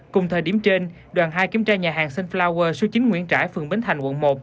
cùng thời điểm trên đoàn hai kiểm tra nhà hàng sunflower số chín nguyễn trãi phường bến thành quận một